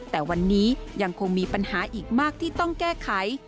แต่วันนี้ยังคงมีปัญหาอีกมากที่ต้องแก้ไข